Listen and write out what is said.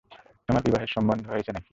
তোমার বিবাহের সম্বন্ধ হয়েছে না কি?